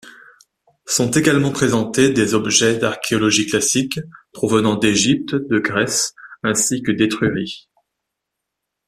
Sont également présentés des objets d'archéologie classique provenant d'Égypte, de Grèce ainsi que d'Étrurie.